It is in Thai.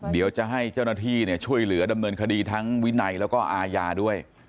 เดี๋ยวจะให้เจ้าหน้าที่ช่วยเหลือดำเนินคดีทั้งวินัยแล้วก็อาญาด้วย